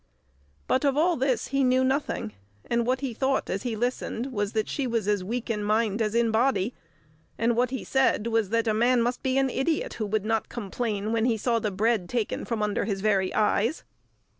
But of all this he knew nothing, and what he thought, as he listened, was that she was as weak in mind as in body; and what he said was that a man must be an idiot who would not complain when he saw the bread taken from under his very eyes!